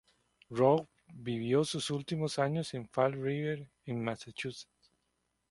Robb vivió sus últimos años en Fall River, en Massachusetts.